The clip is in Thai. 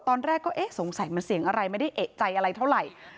ตอนแรกก็เอ๊ะสงสัยมันเสียงอะไรไม่ได้เอกใจอะไรเท่าไหร่